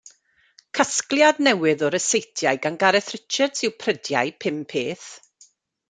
Casgliad newydd o ryseitiau gan Gareth Richards yw Prydau Pum Peth.